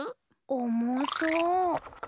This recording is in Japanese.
おもそう。